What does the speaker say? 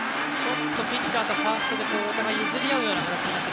ピッチャーとファーストがお互い譲り合う形になった。